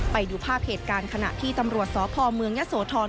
ไปดูภาพเหตุการณ์ขณะที่ตำรวจสพเมืองยะโสธร